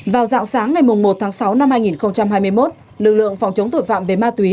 vào dạng sáng ngày một tháng sáu năm hai nghìn hai mươi một lực lượng phòng chống tội phạm về ma túy